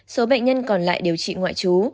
số bệnh nhân còn lại điều trị ngoại trú